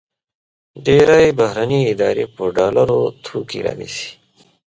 ډېری بهرني ادارې په ډالرو توکي رانیسي.